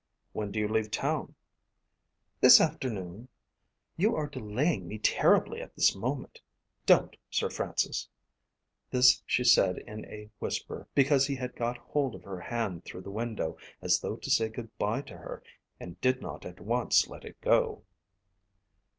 "When do you leave town?" "This afternoon. You are delaying me terribly at this moment. Don't, Sir Francis!" This she said in a whisper because he had got hold of her hand through the window, as though to say good bye to her, and did not at once let it go.